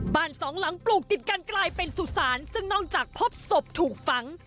บ้านสองหลังปลูกติดกันกลายเป็นสุสานซึ่งนอกจากพบศพถูกฝัง